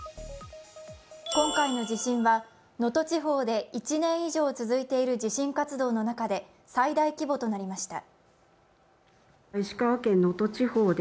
今夏の地震は能登地方で１年以上続いている地震活動の中で最大規模となりました。